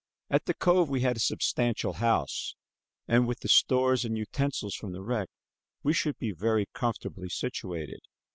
At the cove we had a substantial house, and, with the stores and utensils from the wreck we should be very comfortably situated.